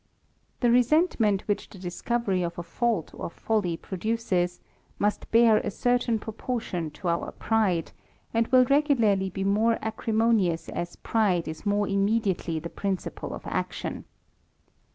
The resentment which the discovery of a fault or folly produces, must bear a certain proportion to our pride, and will regularly be more acrimonious as pride is more immediately the principle of action.